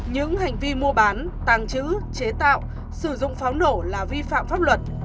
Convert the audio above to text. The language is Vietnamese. những hành vi mua bán tàng trữ chế tạo sử dụng pháo nổ là vi phạm pháp luật